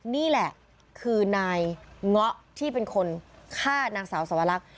นี่แหละคือนายง๊อกที่เป็นคนฆ่านางสาวสาวลักษณ์